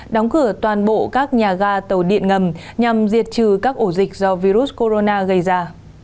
đóng cửa toàn bộ các nhà ga tàu điện ngầm nhằm diệt trừ các ổ dịch do virus corona gây ra